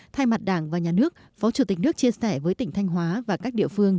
thay mặt đảng và nhà nước phó chủ tịch nước chia sẻ với tỉnh thanh hóa và các địa phương